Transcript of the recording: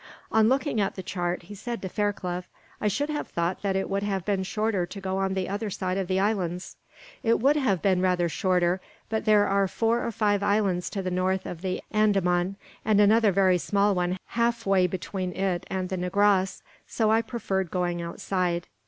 On looking at the chart, he said to Fairclough: "I should have thought that it would have been shorter to go on the other side of the islands." "It would have been rather shorter; but there are four or five islands to the north of the Andaman, and another very small one halfway between it and Negrais, so I preferred going outside.